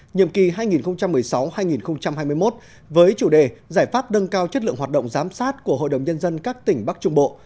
nhiệm kỳ hai nghìn một mươi sáu hai nghìn hai mươi một với chủ đề giải pháp nâng cao chất lượng hoạt động giám sát của hội đồng nhân dân các tỉnh bắc trung bộ